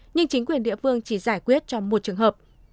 nhưng chính quyền địa phương chỉ giải quyết cho một trường hợp